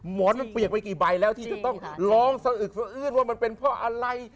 หมอนมันเปียกไปกี่ใบแล้วที่จะต้องร้องสะอึกสะอื้นว่ามันเป็นเพราะอะไร